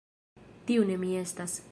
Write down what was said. Tiu ne mi estas!